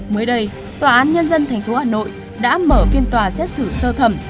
mới đây tòa án nhân dân thành phố hà nội đã mở phiên tòa xét xử sơ thẩm